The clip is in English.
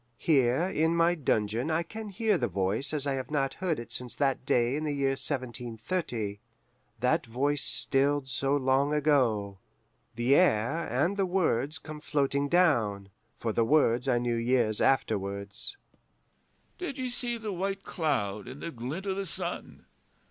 Here in my dungeon I can hear the voice as I have not heard it since that day in the year 1730 that voice stilled so long ago. The air and the words come floating down (for the words I knew years afterwards): 'Did ye see the white cloud in the glint o' the sun?